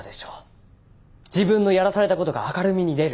自分のやらされた事が明るみに出る。